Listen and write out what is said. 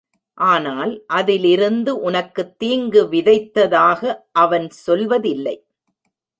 ஆனால் அதிலிருந்து உனக்குத் தீங்கு விதைத்ததாக அவன் சொல்வதில்லை.